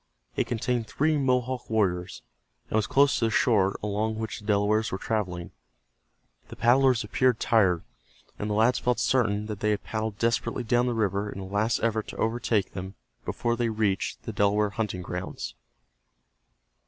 It contained three Mohawk warriors, and was close to the shore along which the Delawares were traveling. The paddlers appeared tired, and the lads felt certain that they had paddled desperately down the river in a last effort to overtake them before they reached the Delaware hunting grounds.